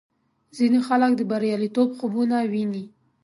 ځینې خلک د بریالیتوب خوبونه ویني.